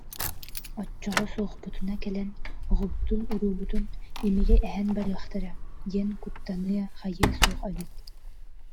Оччоҕо «суохпутуна кэлэн, оҕобутун-уруубутун имири эһэн барыахтара» диэн куттаныа-хайыа суох этибит